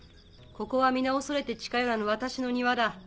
ここは皆恐れて近寄らぬ私の庭だ。